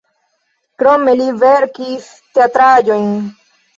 Krome li verkis teatraĵojn.